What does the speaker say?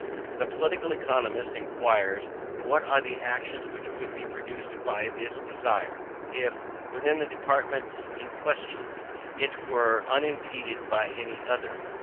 The political economist inquires, what are the actions which would be produced by this desire, if, within the departments in question, it were unimpeded by any other.